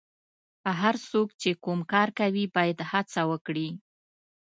هر څوک چې کوم کار کوي باید هڅه وکړي.